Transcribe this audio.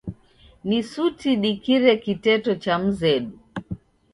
Ni suti dikire kiteto cha mzedu.